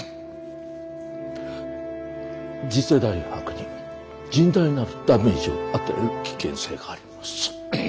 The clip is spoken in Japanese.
次世代博に甚大なるダメージを与える危険性があります。